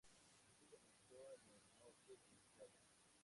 Este comenzó en el norte de Italia.